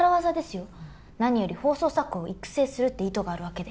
何より放送作家を育成するって意図があるわけで。